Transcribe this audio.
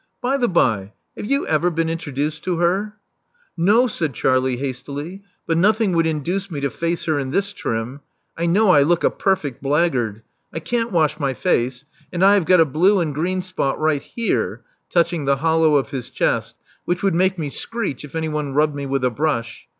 By the bye, have you ever been intro duced to her?" ••No," said Charlie hastily; •'but nothing would induce me to face her in this trim. I know I look a perfect blackguard. I can't wash my face; and I have got a blue and green spot right here" — ^touching the hollow of his chest — 'Svhich would make me screech if anyone rubbed me with a brush.